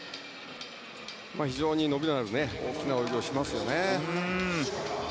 非常に伸びのある大きな泳ぎをしますよね。